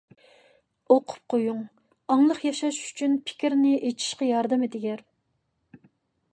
ئوقۇپ قويۇڭ، ئاڭلىق ياشاش ئۈچۈن پىكىرنى ئېچىشقا ياردىمى تېگەر.